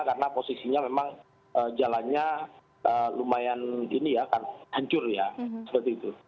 karena posisinya memang jalannya lumayan hancur ya seperti itu